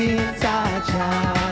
ya kawin saja